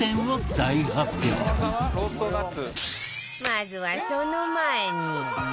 まずはその前に